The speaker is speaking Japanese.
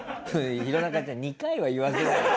弘中ちゃん２回は言わせないで。